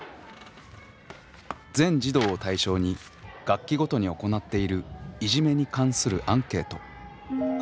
全児童を対象に学期ごとに行っているいじめに関するアンケート。